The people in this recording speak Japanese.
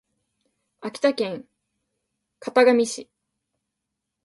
秋田県潟上市